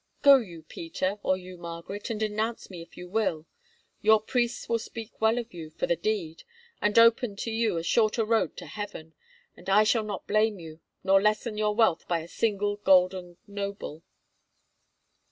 Go you, Peter, or you, Margaret, and denounce me if you will. Your priests will speak well of you for the deed, and open to you a shorter road to Heaven, and I shall not blame you, nor lessen your wealth by a single golden noble."